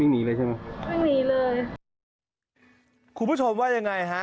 หนีเลยใช่ไหมวิ่งหนีเลยคุณผู้ชมว่ายังไงฮะ